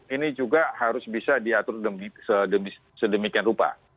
ini juga harus bisa diatur sedemikian rupa